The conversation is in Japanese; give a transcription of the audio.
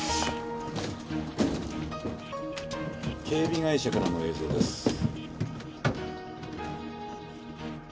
警備会社からの映像です。